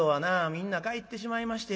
みんな帰ってしまいまして。